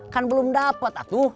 kan belum dapet atu